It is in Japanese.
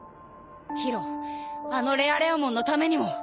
宙あのレアレアモンのためにも。